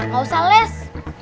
gak usah les